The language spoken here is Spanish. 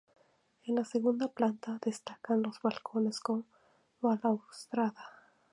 En la segunda planta destacan los balcones con balaustrada.